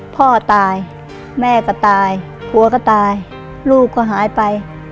พ่อตายแม่ก็ตายผัวก็ตายลูกก็หายไป